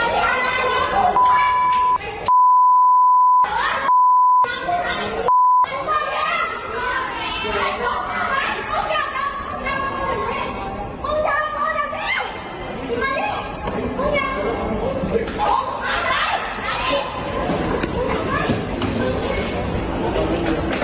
กินมาี้กุ้งยาน